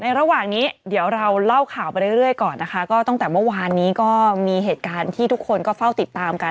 ในระหว่างนี้เราก็เล่าข่าวประกอบก่อนก็ตั้งแต่เมื่อวานนี้ก็มีเหตุการณ์ที่ทุกคนก็เฝ้าติดตามกัน